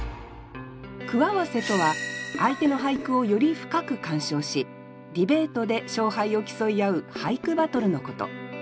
句合わせとは相手の俳句をより深く鑑賞しディベートで勝敗を競い合う俳句バトルのこと。